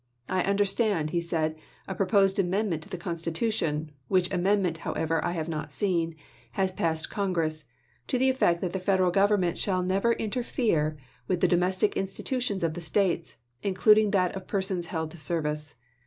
"I understand," he said, " a proposed amendment to the Constitu tion— which amendment, however, I have not seen — has passed Congress, to the effect that the Federal Government shall never interfere with the domestic institutions of the States, including that of persons held to service.